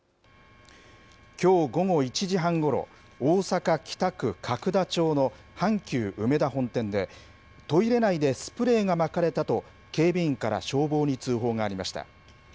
きょう午後１時半ごろ、大阪・北区角田町の阪急うめだ本店で、トイレ内でスプレーがまかれたと、警備員から消防に通報がありました。